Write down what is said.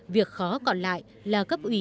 việc khó còn lại là cấp ủy chính quyền